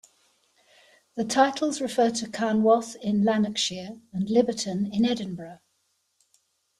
The titles refer to Carnwath in Lanarkshire, and Liberton in Edinburgh.